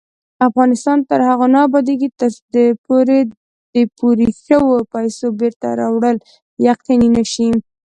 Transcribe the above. افغانستان تر هغو نه ابادیږي، ترڅو د پورې شوو پیسو بېرته راوړل یقیني نشي.